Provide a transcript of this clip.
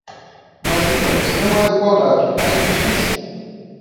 Mas então, se não há igualdade, há injustiça?